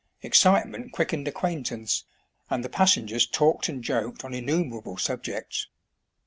Excitement quickened acquaintance, and the passengers talked and joked on innumerable subjects.